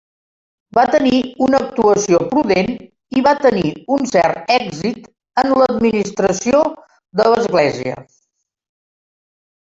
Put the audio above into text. Va tenir una actuació prudent i va tenir un cert èxit en l'administració de l'església.